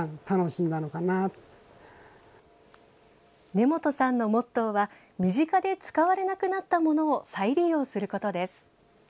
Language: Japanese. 根本さんのモットーは身近で使われなくなったものを再利用することです。